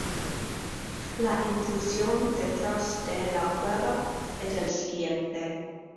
La intuición detrás de la prueba es el siguiente.